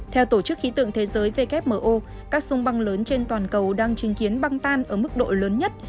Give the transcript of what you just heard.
theo tổ chức khí tượng thế giới wmo các sông băng lớn trên toàn cầu đang chứng kiến băng tan ở mức độ lớn nhất